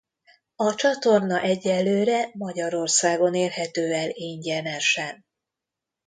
A csatorna egyelőre Magyarországon érhető el ingyenesen.